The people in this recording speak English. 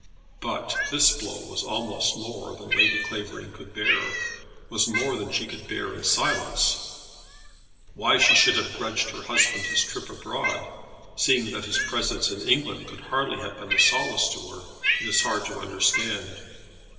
But this blow was almost more than Lady Clavering could bear, was more than she could bear in silence. Why she should have grudged her husband his trip abroad, seeing that his presence in England could hardly have been a solace to her, it is hard to understand.